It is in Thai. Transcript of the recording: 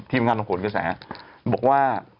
ทีมงานของผมก็แสนบอกว่า